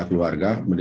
sekarang menjadi danana